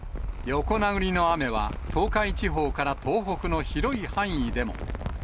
横殴りの雨は、東海地方から東北の広い範囲でも。